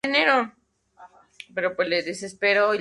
Entre sus aficiones se encuentran tocar el piano y la batería.